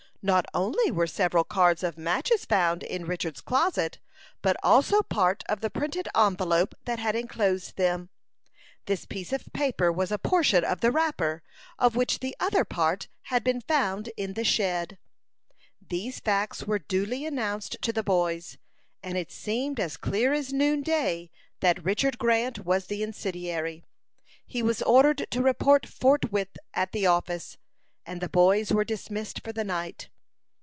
Not only were several cards of matches found in Richard's closet, but also part of the printed envelope that had enclosed them. This piece of paper was a portion of the wrapper, of which the other part had been found in the shed. These facts were duly announced to the boys, and it seemed as clear as noonday that Richard Grant was the incendiary. He was ordered to report forthwith at the office, and the boys were dismissed for the night.